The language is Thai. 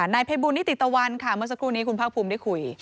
นายภัยบูลนิติตะวันค่ะเมื่อสักครู่นี้คุณภาคภูมิได้คุย